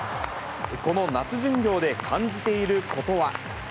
この夏巡業で感じていることは。